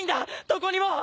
どこにも！